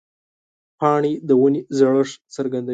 پاڼې د ونې زړښت څرګندوي.